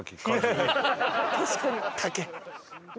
確かに。